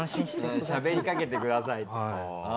しゃべりかけてください。